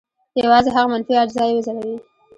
یوازې هغه منفي اجزا یې وځلوي.